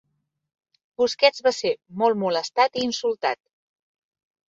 Busquets va ser molt molestat i insultat.